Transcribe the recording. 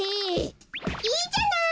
いいじゃない。